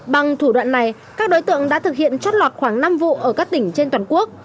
bằng thủ đoạn này các đối tượng đã thực hiện trót lọt khoảng năm vụ ở các tỉnh trên toàn quốc